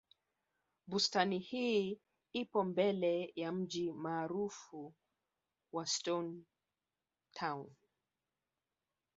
bustani hii ipo mbele ya mji maarufu wa stone town